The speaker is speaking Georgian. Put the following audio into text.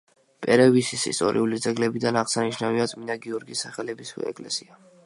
პერევისის ისტორიული ძეგლებიდან აღსანიშნავია წმინდა გიორგის სახელობის ეკლესია.